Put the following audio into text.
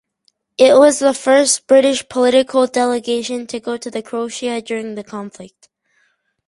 It was the first British political delegation to go to Croatia during the conflict.